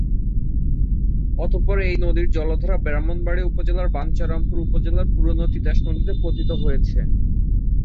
অতপর এই নদীর জলধারা ব্রাহ্মণবাড়িয়া জেলার বাঞ্ছারামপুর উপজেলার পুরনো তিতাস নদীতে পতিত হয়েছে।